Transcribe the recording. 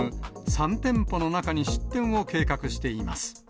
３店舗の中に出店を計画しています。